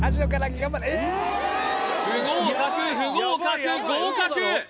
不合格不合格合格